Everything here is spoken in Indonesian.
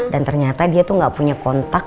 dan ternyata dia tuh gak punya kontak